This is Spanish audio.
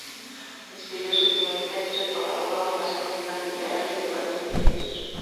Escribió su primer texto y colaboró en las columnas literarias de varios diarios.